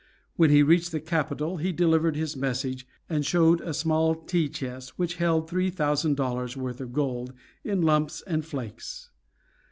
When he reached the capital he delivered his message, and showed a small tea chest which held three thousand dollars' worth of gold in lumps and flakes.